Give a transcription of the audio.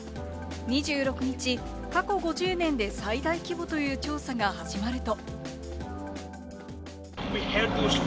２６日、過去５０年で最大規模という調査が始まると。